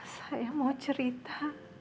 saya mau cerita